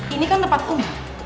ini kan tempat kum